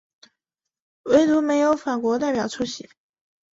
惟独没有法国代表出席。